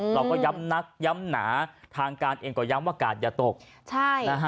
เราก็ย้ำนักย้ำหนาทางการเองก็ย้ำว่ากาศอย่าตกใช่นะฮะ